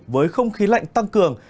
với không khí lạnh tăng cường